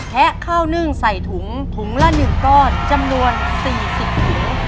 ะข้าวนึ่งใส่ถุงถุงละ๑ก้อนจำนวน๔๐ถุง